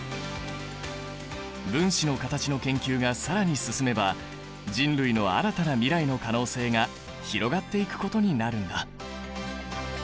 分子の形の研究が更に進めば人類の新たな未来の可能性が広がっていくことになるんだ。